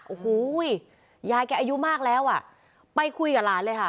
โอ้โหยายแกอายุมากแล้วอ่ะไปคุยกับหลานเลยค่ะ